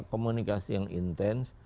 komunikasi yang intens